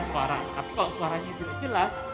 tapi kalau suaranya tidak jelas